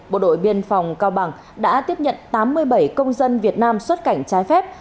bộ đội biên phòng cao bằng đã tiếp nhận tám mươi bảy công dân việt nam xuất cảnh trái phép